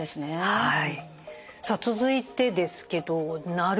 はい。